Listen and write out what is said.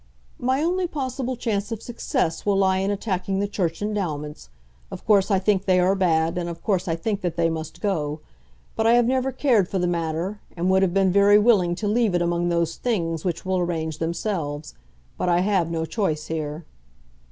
"My only possible chance of success will lie in attacking the Church endowments. Of course I think they are bad, and of course I think that they must go. But I have never cared for the matter, and would have been very willing to leave it among those things which will arrange themselves. But I have no choice here."